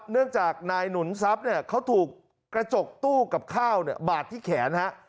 เนื่องจากนายหนุนซับเขาถูกกระจกตู้กับข้าวบาดที่แขน